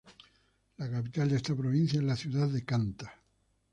La capital de esta provincia es la ciudad de Canta.